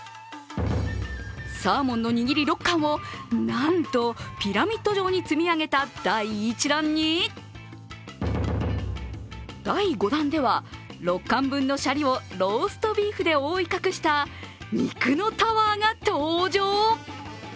サーモンのにぎり６貫をなんとピラミッド状に積み上げた第１弾に第５弾では、６貫分のしゃりをローストビーフで覆い隠した肉のタワーが登場。